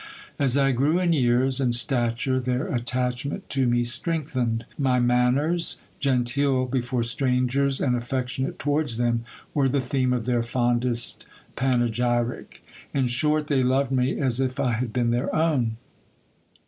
As I grew in years and stature their attach ment to me strengthened. My manners, genteel before strangers and affection ate towards them, were the theme of their fondest panegyric. In short, they loved me as if I had been their own.